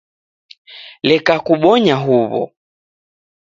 Leka kubonya uw'o